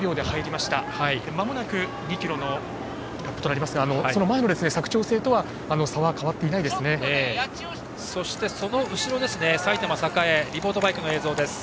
まもなく２ｋｍのラップとなりますがその前の佐久長聖としては差は変わっていないですね。